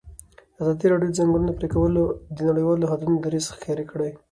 ازادي راډیو د د ځنګلونو پرېکول د نړیوالو نهادونو دریځ شریک کړی.